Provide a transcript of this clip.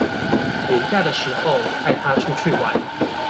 連假的時候帶他出去玩